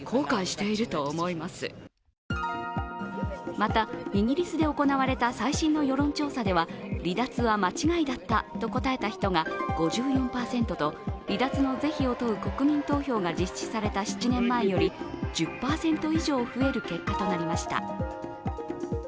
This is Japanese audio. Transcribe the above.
また、イギリスで行われた最新の世論調査では離脱は間違いだったと答えた人が５４％と離脱の是非を問う国民投票が実施された７年前より１０％以上増える結果となりました。